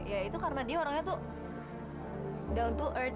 ya itu karena dia orangnya tuh down to earth